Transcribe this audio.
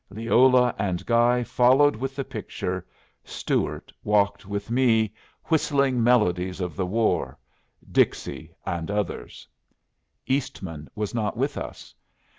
Leola and Guy followed with the picture; Stuart walked with me, whistling melodies of the war Dixie and others. Eastman was not with us.